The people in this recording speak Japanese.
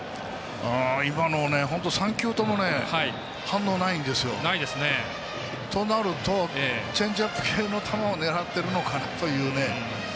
今の３球とも反応がないんですよ。となるとチェンジアップ系の球を狙っているのかなというね